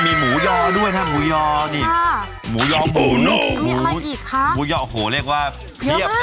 มีหมูยอด้วยนะหมูยอหมูยอหมูยอหมูยอโหเรียกว่าเพียบนะฮะ